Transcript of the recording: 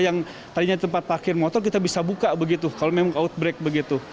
yang tadinya tempat parkir motor kita bisa buka begitu kalau memang outbreak begitu